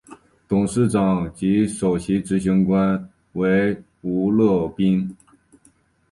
董事长及首席执行官为吴乐斌。